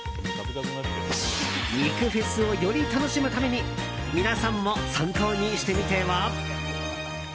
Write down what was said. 肉フェスをより楽しむために皆さんも参考にしてみては。